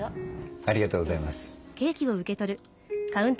ありがとうございます。